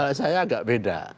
kalau saya agak beda